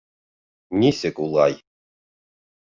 — Нисек улай?